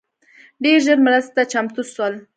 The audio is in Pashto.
ډېر ژر مرستي ته چمتو سول